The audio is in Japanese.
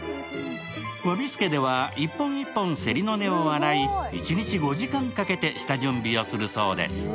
侘び助では１本１本せりの根を洗い、一日５時間かけて下準備をするそうです。